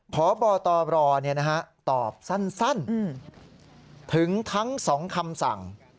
พบตรตอบสั้นถึงทั้ง๒คำสั่ง